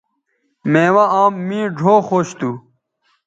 میوہ آم مے ڙھؤ خوش تھو